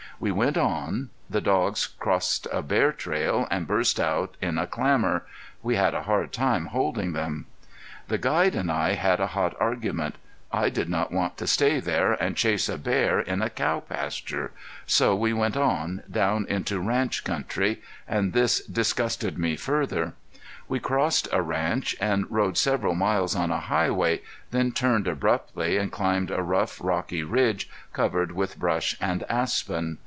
We went on. The dogs crossed a bear trail, and burst out in a clamor. We had a hard time holding them. The guide and I had a hot argument. I did not want to stay there and chase a bear in a cow pasture.... So we went on, down into ranch country, and this disgusted me further. We crossed a ranch, and rode several miles on a highway, then turned abruptly, and climbed a rough, rocky ridge, covered with brush and aspen.